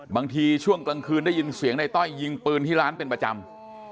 ช่วงกลางคืนได้ยินเสียงในต้อยยิงปืนที่ร้านเป็นประจำ